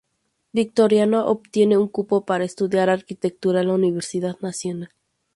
Victorino obtiene un cupo para estudiar arquitectura en la Universidad Nacional.